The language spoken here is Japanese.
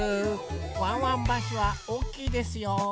ワンワンバスはおおきいですよ。